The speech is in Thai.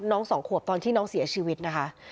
สองขวบตอนที่น้องเสียชีวิตนะคะ